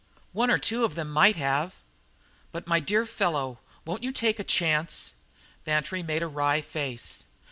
"One or two of them might have." "But my dear fellow won't you take a chance?" Bantry made a wry face.